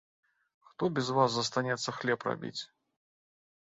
Хто без вас застанецца хлеб рабіць?